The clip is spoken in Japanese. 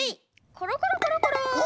コロコロコロコロ。